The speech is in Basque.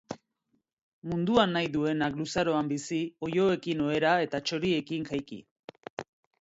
Munduan nahi duenak luzaroan bizi, oiloekin ohera eta txoriekin jaiki.